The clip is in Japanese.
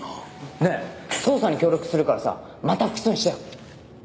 ねえ捜査に協力するからさまた不起訴にしてよ。